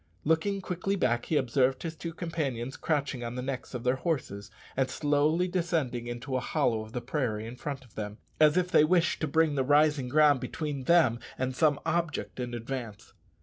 Looking quickly back, he observed his two companions crouching on the necks of their horses, and slowly descending into a hollow of the prairie in front of them, as if they wished to bring the rising ground between them and some object in advance.